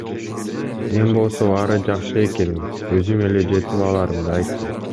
Мен болсо баары жакшы экенин, өзүм эле жетип алаарымды айттым.